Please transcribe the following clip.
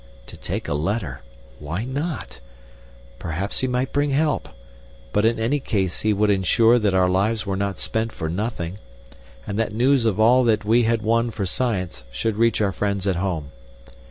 To take a letter! Why not? Perhaps he might bring help; but in any case he would ensure that our lives were not spent for nothing, and that news of all that we had won for Science should reach our friends at home.